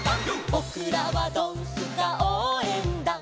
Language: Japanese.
「ぼくらはドンスカおうえんだん」